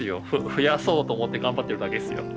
増やそうと思って頑張ってるだけですよ。